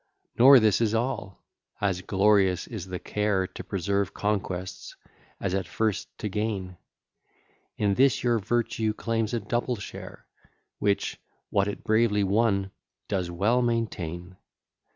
Nor this is all; as glorious is the care To preserve conquests, as at first to gain: In this your virtue claims a double share, Which, what it bravely won, does well maintain.